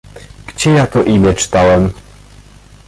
"Gdzie ja to imię czytałem?.."